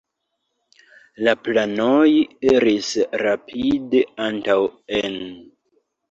La planoj iris rapide antaŭen.